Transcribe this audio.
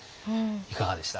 いかがでした？